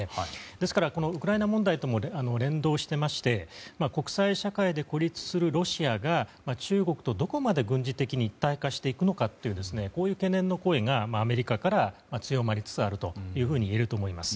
ですから、ウクライナ問題とも連動していまして国際社会で孤立するロシアが中国とどこまで軍事的に一体化していくのかというこういう懸念の声がアメリカから強まりつつあるといえると思います。